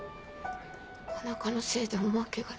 田中のせいでおまけが。